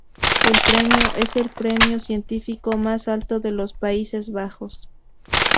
El premio, es el premio científico más alto de los Países Bajos.